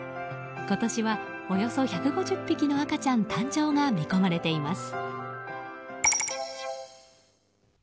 今年はおよそ１５０匹の赤ちゃん誕生が見込まれています。